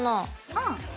うん。